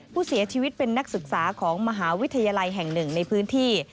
ผู้เสียชีวิตเป็นนักศึกษาของมหาวิทยาลัยแห่งหนึ่งในพื้นที่